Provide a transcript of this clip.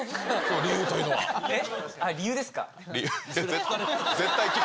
理由ですか？